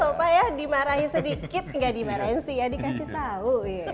gak dimarahin sih ya dikasih tau